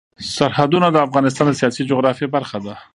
سرحدونه د افغانستان د سیاسي جغرافیه برخه ده.